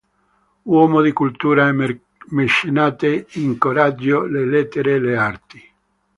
Uomo di cultura e mecenate, incoraggiò le lettere e le arti.